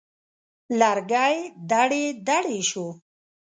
لرګی دړې دړې شو.